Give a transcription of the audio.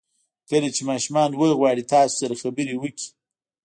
کله چې ماشومان وغواړي تاسو سره خبرې وکړي.